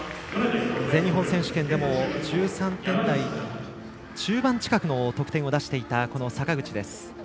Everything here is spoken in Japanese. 全日本選手権でも１３点台中盤近くの得点を出していた坂口です。